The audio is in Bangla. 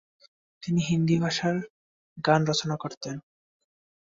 তিনি হিন্দি ভাষায় গান রচনা করতেন।